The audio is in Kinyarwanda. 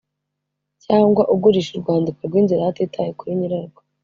cyangwa ugurisha urwandiko rw’inzira hatitawe kuri nyirarwo,